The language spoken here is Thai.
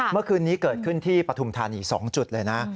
เมื่อคืนนี้เกิดขึ้นที่ปฐุมธานี๒จุดเลยนะ